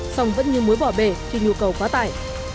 song vẫn như mối bỏ bể khi nhu cầu quá tải